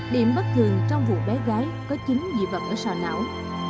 điểm bất thường trong vụ bé gái có chính dị vật ở sọ não